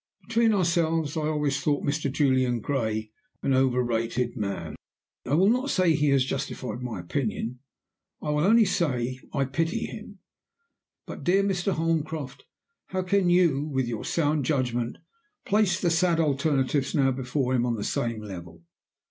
"Between ourselves, I always thought Mr. Julian Gray an overrated man. I will not say he has justified my opinion. I will only say I pity him. But, dear Mr. Holmcroft, how can you, with your sound judgment, place the sad alternatives now before him on the same level?